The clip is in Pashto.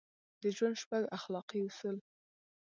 د ژوند شپږ اخلاقي اصول: